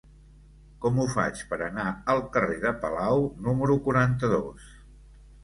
Com ho faig per anar al carrer de Palau número quaranta-dos?